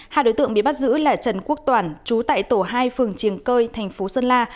hai đối tượng bị bắt giữ là trần quốc toản chú tại tổ hai phường triềng cơi thành phố sơn la